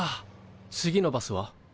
次のバスは？